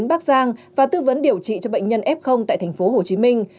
bắc giang và tư vấn điều trị cho bệnh nhân f tại thành phố hồ chí minh